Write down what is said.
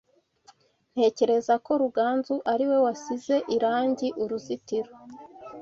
Ntekereza ko Ruganzu ariwe wasize irangi uruzitiro.